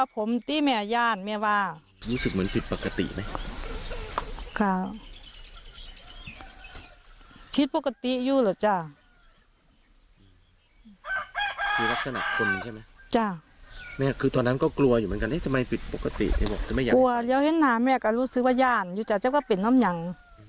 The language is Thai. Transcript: กลัวแล้วให้น้าแม่ก็รู้สึกว่าย่านอยู่จากเจ้าก็เป็นน้ำฮัง